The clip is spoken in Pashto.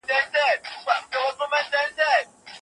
دا وروستی ګلاب د اوړي